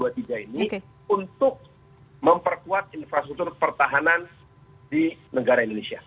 untuk memperkuat infrastruktur pertahanan di negara indonesia